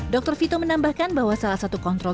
dr vito menambahkan bahwa salah satu kontrol